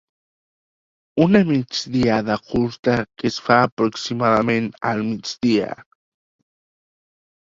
Una migdiada curta que es fa aproximadament al migdia.